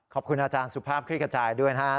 ขอบคุณอาจารย์สุภาพคลิกระจายด้วยนะครับ